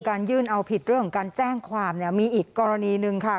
ยื่นเอาผิดเรื่องของการแจ้งความเนี่ยมีอีกกรณีหนึ่งค่ะ